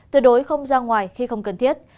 tuyệt đối không ra ngoài khi không cần thiết